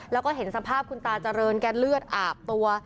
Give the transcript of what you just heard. แล้วก็เห็นสภาพคุณตาเจริญแกเลือดอาบตัว